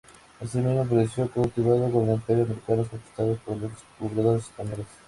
Así mismo, apareció cultivado en los imperios americanos conquistados por los descubridores españoles.